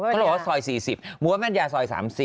ก็บอกว่าสอย๔๐หมู่ว่าปัญญาสอย๓๐